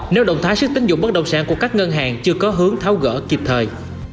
nếu động thái sức tính dụng bất động sản của các ngân hàng chưa có hướng tháo gỡ kịp thời